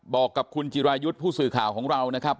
บอกกับคุณจิรายุทธ์ผู้สื่อข่าวของเรานะครับ